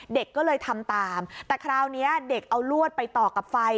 เด็กก็เลยทำตามแต่คราวนี้เด็กเอาลวดไปต่อกับไฟ